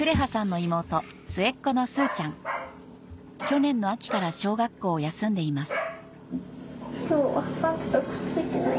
去年の秋から小学校を休んでいますＯＫ。